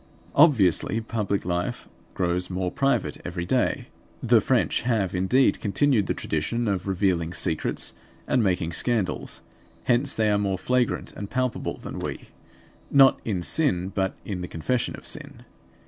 Obviously public life grows more private every day. The French have, indeed, continued the tradition of revealing secrets and making scandals; hence they are more flagrant and palpable than we, not in sin but in the confession of sin.